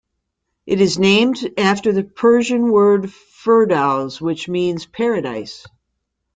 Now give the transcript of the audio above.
It is named after the Persian word "Firdows", which means "paradise".